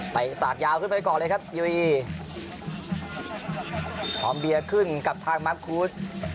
สาดยาวขึ้นไปก่อนเลยครับยูอีหอมเบียร์ขึ้นกับทางมักคูด